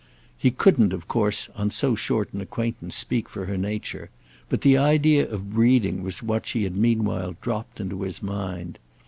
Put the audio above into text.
He couldn't of course on so short an acquaintance speak for her nature, but the idea of breeding was what she had meanwhile dropped into his mind.